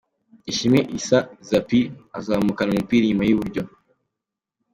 Ishimwe Issa Zappy azamukana umupira inyuma iburyo.